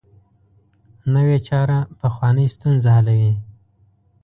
نوې چاره پخوانۍ ستونزه حلوي